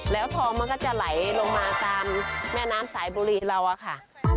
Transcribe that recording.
แล้วทองมันก็จะไหลลงมาตามแม่น้ำสายบุรีเราอะค่ะ